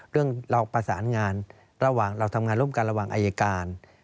เรื่องเราประสานงานเราทำงานร่วมกันระหว่างอายการ